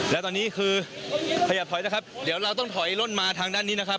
อย่าถอยนะครับเดี๋ยวเราต้องถอยล่นมาทางด้านนี้นะครับ